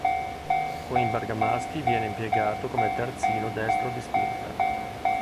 Con i bergamaschi viene impiegato come terzino destro di spinta.